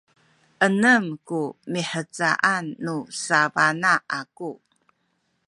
enem ku mihcaan nu sabana aku